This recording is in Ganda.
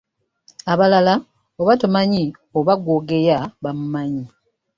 Abalala oba tomanyi oba gw’ogeya bamumanyi.